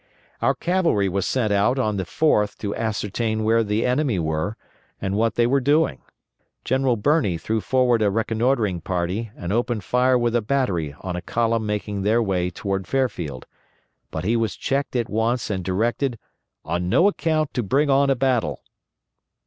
Our cavalry were sent out on the 4th to ascertain where the enemy were, and what they were doing. General Birney threw forward a reconnoitering party and opened fire with a battery on a column making their way toward Fairfield, but he was checked at once and directed _on no account to bring on a battle.